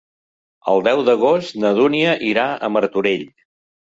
El deu d'agost na Dúnia irà a Martorell.